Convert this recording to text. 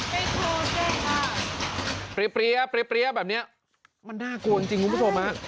ปรี๊ปรี๊ปรี๊ปรี๊ปรี๊ปแบบเนี้ยมันน่ากลัวจริงจริงคุณผู้ชมฮะ